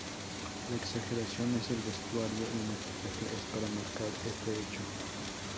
La exageración en el vestuario y maquillaje es para marcar este hecho.